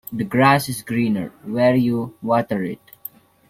The grass is greener where you water it.